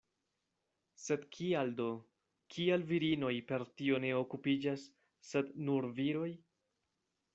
Sed kial do, kial virinoj per tio ne okupiĝas, sed nur viroj?